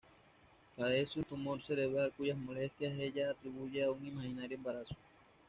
Padece un tumor cerebral cuyas molestias ella atribuye a un imaginario embarazo.